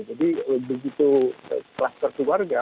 jadi begitu kluster keluarga